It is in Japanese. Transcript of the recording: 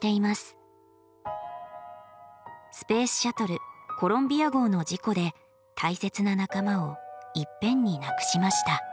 スペースシャトル「コロンビア号」の事故で大切な仲間をいっぺんに亡くしました。